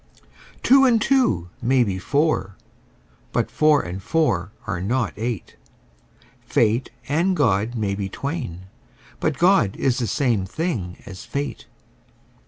Two and two may be four: but four and four are not eight: Fate and God may be twain: but God is the same thing as fate.